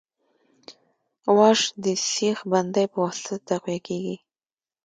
واش د سیخ بندۍ په واسطه تقویه کیږي